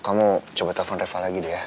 kamu coba telepon reva lagi deh ya